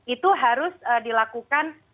itu harus dilakukan